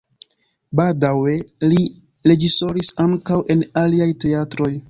Baldaŭe li reĝisoris ankaŭ en aliaj teatroj.